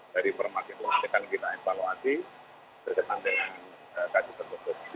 jadi informasi itu kita evaluasi bersama dengan kajian tersebut